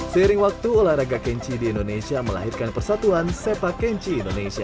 seiring waktu olahraga kenchi di indonesia melahirkan persatuan sepak kenchi indonesia